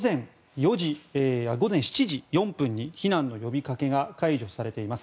午前７時４分に避難の呼びかけが解除されています。